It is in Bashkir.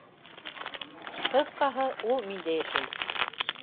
Ҡыҫҡаһы: ул миндә йәшәй.